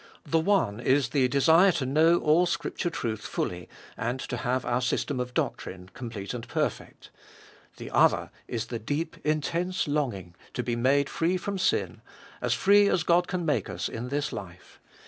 The one is the desire to know all Scripture truth fully, and to have our system of doctrine complete and perfect. The other is the deep, intense longing to be made free from sin, as free as God can make us in this life.